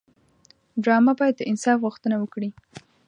ډرامه باید د انصاف غوښتنه وکړي